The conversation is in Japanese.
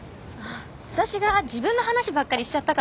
私が自分の話ばっかりしちゃったからかな。